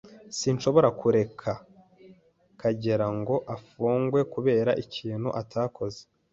Sinshobora kureka Kagera ngo afungwe kubera ikintu atakoze.